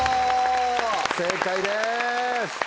正解です！